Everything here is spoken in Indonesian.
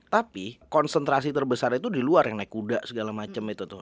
tapi konsentrasi terbesar itu di luar yang naik kuda segala macam itu tuh